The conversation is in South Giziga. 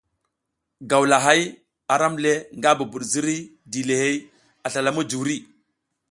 Gawlahay aram le nga bubud ziriy dilihey a slala mujuri.